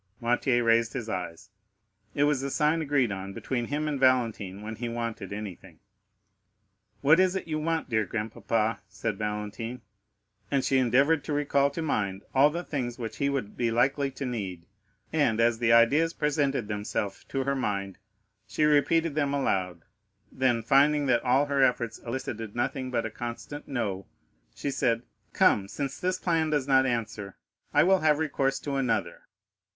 Noirtier raised his eyes, it was the sign agreed on between him and Valentine when he wanted anything. "What is it you want, dear grandpapa?" said Valentine, and she endeavored to recall to mind all the things which he would be likely to need; and as the ideas presented themselves to her mind, she repeated them aloud, then,—finding that all her efforts elicited nothing but a constant "No,"—she said, "Come, since this plan does not answer, I will have recourse to another."